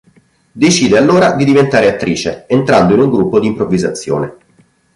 Decide allora di diventare attrice, entrando in gruppo di improvvisazione.